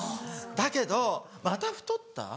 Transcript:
だけど「また太った？」